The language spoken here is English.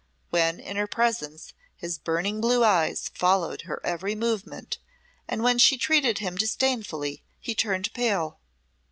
When in her presence his burning blue eyes followed her every movement, and when she treated him disdainfully he turned pale.